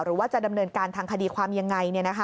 หรือว่าจะดำเนินการทางคดีความยังไง